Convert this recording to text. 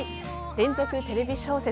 連続テレビ小説